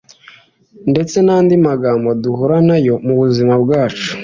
ndetse n’andi magambo duhura na yo mu buzima bwacu